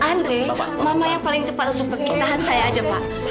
andre mama yang paling tepat untuk pergi tahan saya aja pak